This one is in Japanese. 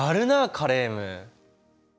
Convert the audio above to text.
カレーム。